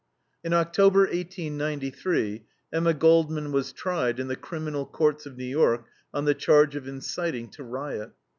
In October, 1893, Emma Goldman was tried in the criminal courts of New York on the charge of inciting to riot.